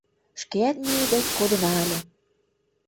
Шкеат мийыде кодына ыле.